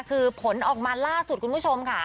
คือผลออกมาล่าสุดคุณผู้ชมค่ะ